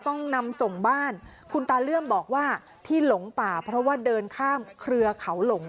ต้องนำส่งบ้านคุณตาเลื่อมบอกว่าที่หลงป่าเพราะว่าเดินข้ามเครือเขาหลง